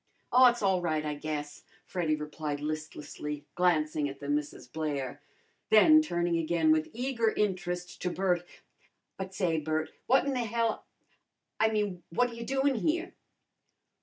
"Aw, it's all right, I guess," Freddy replied listlessly, glancing at the Misses Blair. Then turning again with eager interest to Bert, "But say, Bert, what in the hell a I mean what ta you doin' here?"